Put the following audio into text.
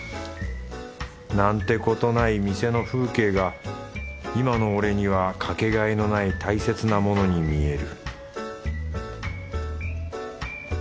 なんてことない店の風景が今の俺にはかけがえのない大切なものに見える